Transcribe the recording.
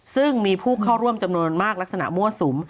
ซึ่งมีผู้เข้าร่วมจำนวนมากลักษณะมั่วสุม